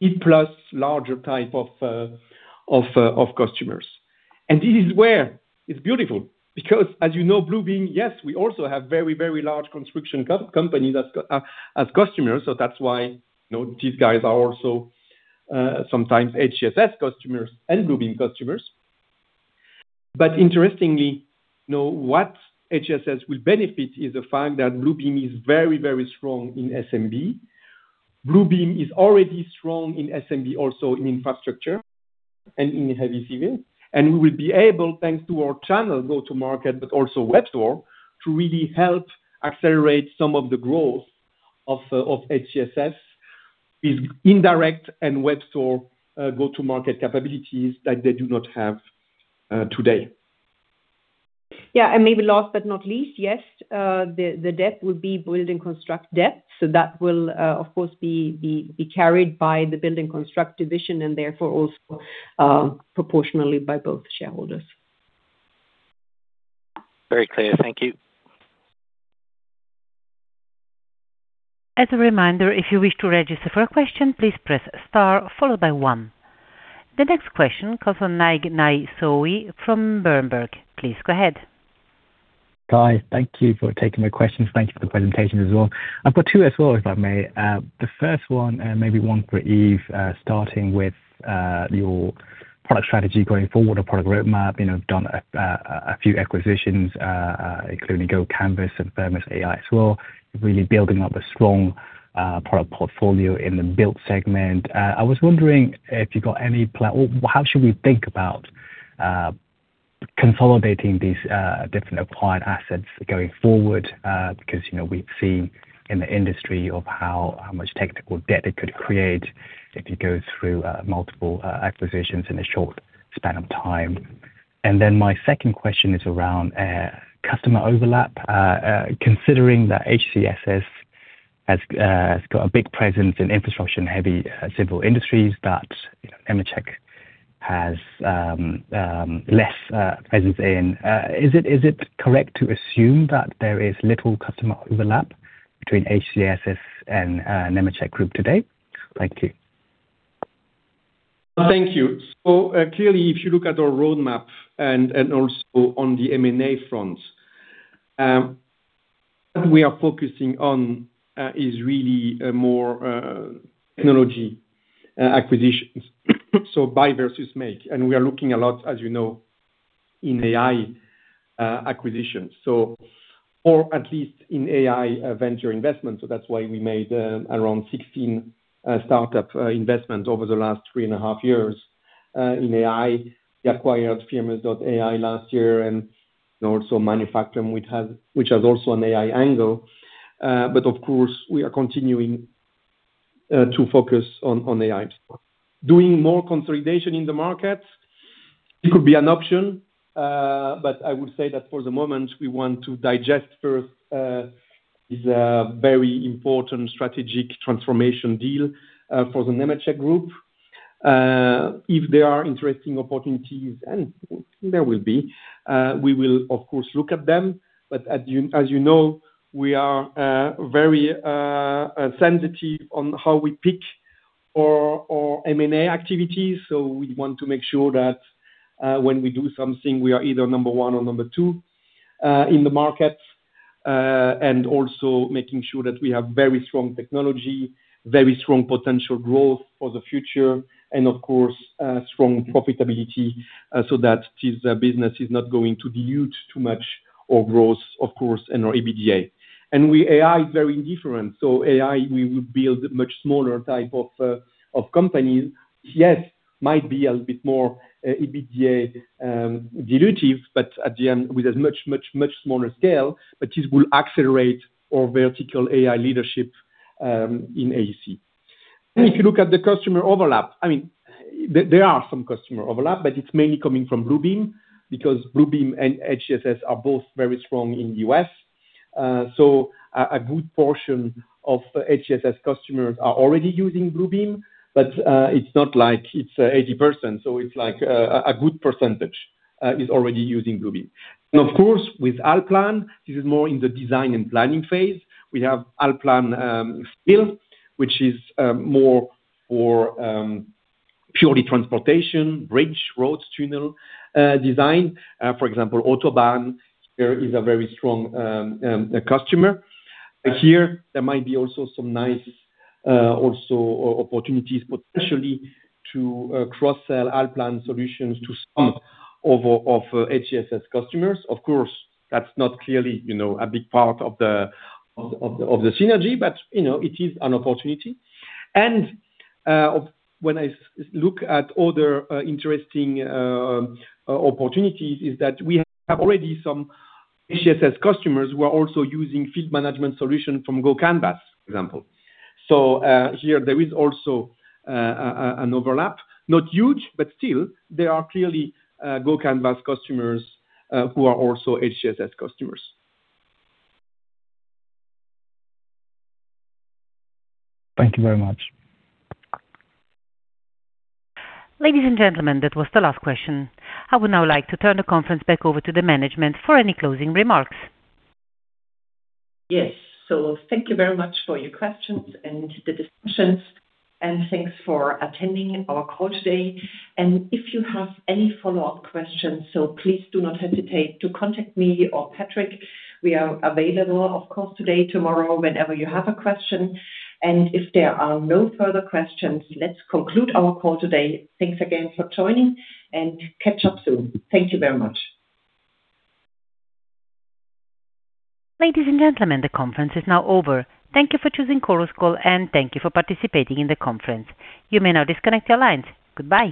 E-Plus larger type of customers. This is where it's beautiful, because as you know, Bluebeam, yes, we also have very large construction companies as customers. That's why these guys are also sometimes HCSS customers and Bluebeam customers. Interestingly, what HCSS will benefit is the fact that Bluebeam is very strong in SMB. Bluebeam is already strong in SMB, also in infrastructure and in heavy civil. We will be able, thanks to our channel go-to-market, but also web store, to really help accelerate some of the growth of HCSS with indirect and web store go-to-market capabilities that they do not have today. Yeah. Maybe last but not least, yes, the debt would be Build and Construct debt. That will, of course, be carried by the Build and Construct Division and therefore also proportionally by both shareholders. Very clear. Thank you. As a reminder, if you wish to register for a question, please press star followed by one. The next question comes from Nay Soe Naing from Berenberg. Please go ahead. Guys, thank you for taking my questions. Thank you for the presentation as well. I've got two as well, if I may. The first one, maybe one for Yves, starting with your product strategy going forward or product roadmap. You have done a few acquisitions, including GoCanvas and Firmus AI as well, really building up a strong product portfolio in the built segment. I was wondering if you got any plan or how should we think about consolidating these different acquired assets going forward, because we've seen in the industry of how much technical debt it could create if you go through multiple acquisitions in a short span of time? My second question is around customer overlap. Considering that HCSS has got a big presence in infrastructure and heavy civil industries that Nemetschek has less presence in, is it correct to assume that there is little customer overlap between HCSS and Nemetschek Group today? Thank you. Thank you. Clearly, if you look at our roadmap and also on the M&A front, what we are focusing on is really more technology acquisitions, so buy versus make. We are looking a lot, as you know, in AI acquisitions, or at least in AI venture investments. That's why we made around 16 startup investments over the last three and a half years in AI. We acquired Firmus.ai last year and also Manufacton, which has also an AI angle. Of course, we are continuing to focus on AI. Doing more consolidation in the market, it could be an option. I would say that for the moment, we want to digest first this very important strategic transformation deal for the Nemetschek Group. If there are interesting opportunities, and there will be, we will of course look at them. As you know, we are very sensitive on how we pick our M&A activities. We want to make sure that when we do something, we are either number one or number two in the market. Also making sure that we have very strong technology, very strong potential growth for the future, and of course, strong profitability so that this business is not going to dilute too much our growth, of course, and our EBITDA. AI is very different. AI, we will build much smaller type of companies. Yes, might be a bit more EBITDA dilutive, but at the end, with a much smaller scale. This will accelerate our vertical AI leadership in AEC. If you look at the customer overlap, there are some customer overlap, but it's mainly coming from Bluebeam, because Bluebeam and HCSS are both very strong in the U.S. A good portion of HCSS customers are already using Bluebeam, but it's not like it's 80%. It's like a good percentage is already using Bluebeam. Of course, with Allplan, this is more in the design and planning phase. We have Allplan Civil, which is more for purely transportation, bridge, roads, tunnel design. For example, Autobahn there is a very strong customer. Here, there might be also some nice opportunities, potentially, to cross-sell Allplan solutions to some of HCSS customers. Of course, that's not clearly a big part of the synergy, but it is an opportunity. When I look at other interesting opportunities is that we have already some HCSS customers who are also using field management solution from GoCanvas, for example. Here there is also an overlap. Not huge, but still, there are clearly GoCanvas customers who are also HCSS customers. Thank you very much. Ladies and gentlemen, that was the last question. I would now like to turn the conference back over to the management for any closing remarks. Yes. Thank you very much for your questions and the discussions, and thanks for attending our call today. If you have any follow-up questions, so please do not hesitate to contact me or Patrick. We are available, of course, today, tomorrow, whenever you have a question. If there are no further questions, let's conclude our call today. Thanks again for joining, and catch up soon. Thank you very much. Ladies and gentlemen, the conference is now over. Thank you for choosing Chorus Call, and thank you for participating in the conference. You may now disconnect your lines. Goodbye.